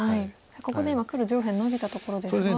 ここで今黒上辺ノビたところですが。